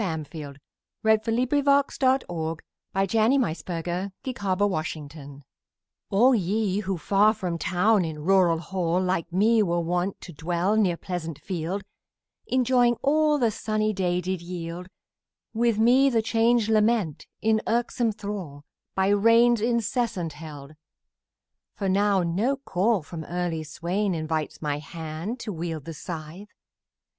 G H . I J . K L . M N . O P . Q R . S T . U V . W X . Y Z Sonnet on a Wet Summer ALL ye who far from town in rural hall, Like me, were wont to dwell near pleasant field, Enjoying all the sunny day did yield, With me the change lament, in irksome thrall, By rains incessant held; for now no call From early swain invites my hand to wield The scythe.